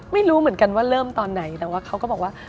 ไม่รู้เหมือนกันว่าเริ่มตอนไหนแต่ว่าเขาก็บอกว่า